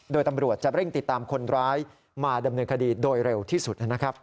โดยตำรวจจะเร่งติดตามคนร้ายมาดำเนินคดีโดยเร็วที่สุดนะครับ